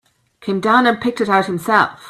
Came down and picked it out himself.